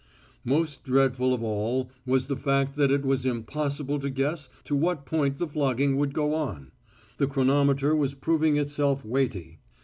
Most dreadful of all was the fact that it was impossible to guess to what point the flogging would go on. The chronometer was proving itself weighty.